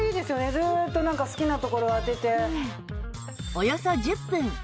ずっとなんか好きな所当てて。